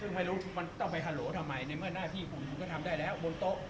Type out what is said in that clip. ซึ่งไม่รู้มันต้องไปฮัลโหลทำไมในเมื่อหน้าที่คุณก็ทำได้แล้วบนโต๊ะ